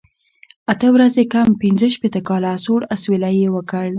اته ورځې کم پنځه شپېته کاله، سوړ اسویلی یې وکړ.